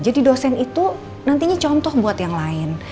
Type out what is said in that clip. jadi dosen itu nantinya contoh buat yang lain